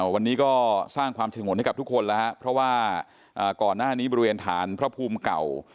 วันนี้ก็สร้างความฉงนให้กับทุกคนแล้วครับเพราะว่าก่อนหน้านี้บริเวณฐานพระภูมิเก่า